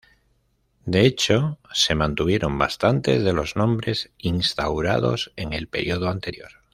De hecho, se mantuvieron bastantes de los nombres instaurados en el período anterior.